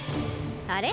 あれ？